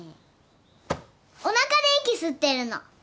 おなかで息吸ってるの。